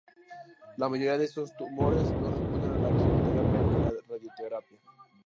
La mayoría de estos tumores no responden a la quimioterapia ni a la radioterapia.